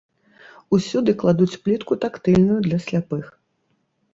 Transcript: Усюды кладуць плітку тактыльную для сляпых.